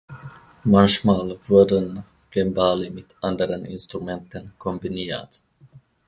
Manchmal wurden Cembali mit anderen Instrumenten kombiniert.